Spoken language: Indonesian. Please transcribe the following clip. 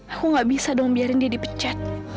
aku gak bisa dong biarin dia dipecat